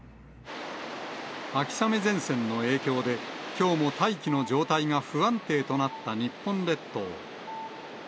秋雨前線の影響で、きょうも大気の状態が不安定となった日本列島。